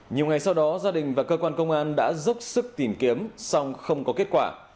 nhiều ngày sau đó gia đình và cơ quan công an đã dốc sức tìm kiếm song không có kết quả